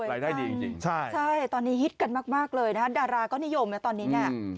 สวยจังใช่ตอนนี้ฮิตกันมากเลยนะฮะดาราก็นิยมนะตอนนี้